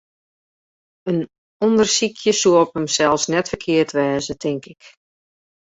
In ûndersykje soe op himsels net ferkeard wêze, tink ik.